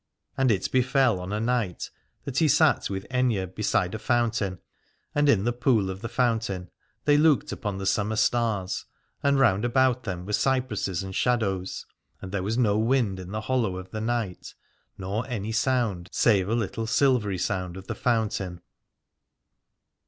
And it befell on a night that he sat with Aithne beside a fountain, and in the pool of the fountain they looked upon the summer stars. And round about them were cypresses and shadows, and there was no wind in the hollow of the night nor any sound save a little silvery sound of the fountain.